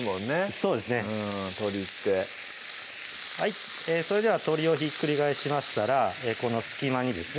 そうですね鶏ってそれでは鶏をひっくり返しましたらこの隙間にですね